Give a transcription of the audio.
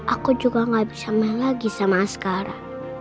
aku juga gak bisa main lagi sama sekarang